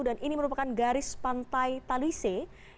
dan ini merupakan garis pantai talise